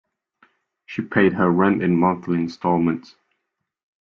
She paid her rent in monthly instalments